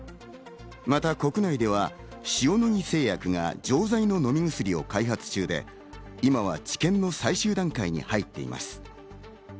また国内では塩野義製薬が錠剤の飲み薬を開発中で今は治験の最終段階に入っています。